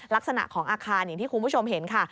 ลักษณะของอาคารอย่างที่คุณผู้ชมเห็นค่ะ